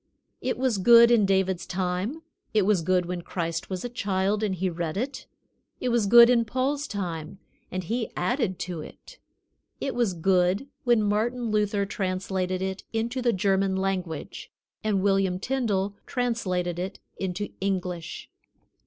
It was good in David's time. It was good when Christ was a child, and He read it. It was good in Paul's time, and he added to it. It was good when Martin Luther translated it into the German language, and William Tyndale translated it into English.